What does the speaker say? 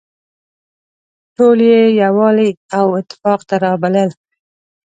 ټول يې يووالي او اتفاق ته رابلل.